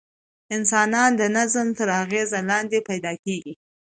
انسانان د نظم تر اغېز لاندې پیدا کېږي.